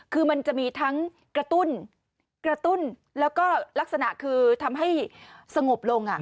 คือมันจะมีทั้งกระตุ้นแล้วก็ลักษณะคือทำให้สงบลง